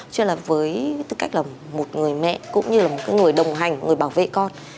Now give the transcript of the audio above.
cho nên là với tư cách là một người mẹ cũng như là một người đồng hành người bảo vệ con